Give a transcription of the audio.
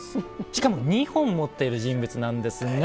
しかも２本持っている人物なんですが。